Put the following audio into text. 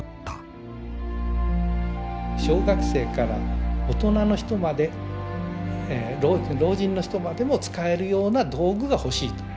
小学生から大人の人まで老人の人までも使えるような道具が欲しいと。